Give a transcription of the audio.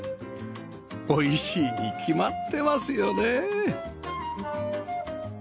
美味しいに決まってますよね！